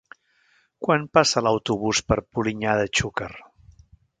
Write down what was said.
Quan passa l'autobús per Polinyà de Xúquer?